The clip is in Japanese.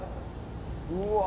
うわ。